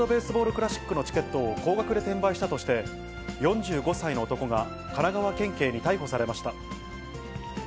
クラシックのチケットを高額で転売したとして、４５歳の男が神奈川県警に逮捕されました。